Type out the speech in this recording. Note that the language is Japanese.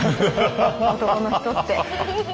男の人って。